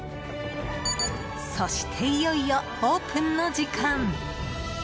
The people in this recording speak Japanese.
そして、いよいよオープンの時間。